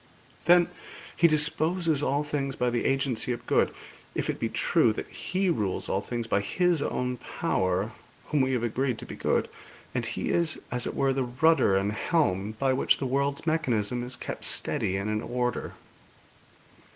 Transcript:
'Then, He disposes all things by the agency of good, if it be true that He rules all things by His own power whom we have agreed to be good; and He is, as it were, the rudder and helm by which the world's mechanism is kept steady and in order.'